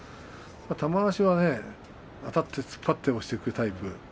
玉鷲はあたって突っ張って押していくタイプ。